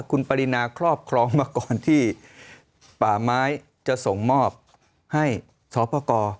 คุณปรินาครอบครองมาก่อนที่ป่าไม้จะส่งมอบให้สปกร